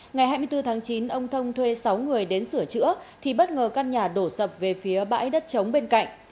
ngày hai mươi bốn tháng chín ông thông thuê sáu người đến sửa chữa thì bất ngờ căn nhà đổ sập về phía bãi đất trống bên cạnh